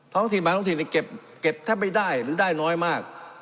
ถิ่นบางท้องถิ่นเก็บแทบไม่ได้หรือได้น้อยมาก